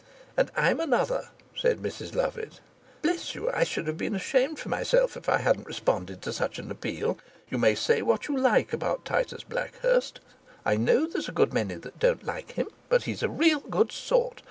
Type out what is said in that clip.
"And I'm another," said Mrs Lovatt. "Bless you, I should have been ashamed of myself if I hadn't responded to such an appeal. You may say what you like about Titus Blackhurst I know there's a good many that don't like him but he's a real good sort.